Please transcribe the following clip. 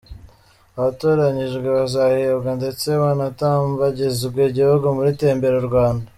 Abatoranyijwe bazahembwa ndetse banatambagizwe igihugu muri Tembera u Rwanda.